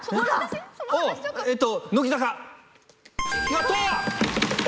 やった！